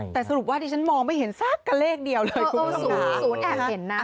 แต่สรุปว่าที่ฉันมองไม่เห็นสักกันเลขเดียวเลยคุณค่ะศูนย์ศูนย์แอบเห็นน่ะ